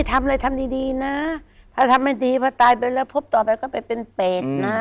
ทำอะไรทำดีดีนะถ้าทำไม่ดีพอตายไปแล้วพบต่อไปก็ไปเป็นเปรตนะ